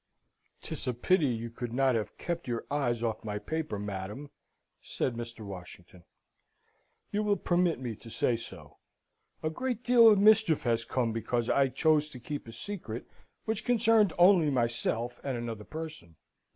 "'Tis a pity you could not have kept your eyes off my paper, madam," said Mr. Washington. "You will permit me to say so. A great deal of mischief has come because I chose to keep a secret which concerned only myself and another person.